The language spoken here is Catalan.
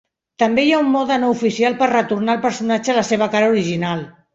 També hi ha un mode no oficial per retornar al personatge la seva cara original.